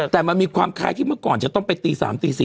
แต่มันมีความคล้ายที่เมื่อก่อนจะต้องไปตี๓ตี๔